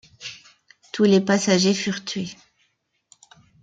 Tous les passagers furent tués.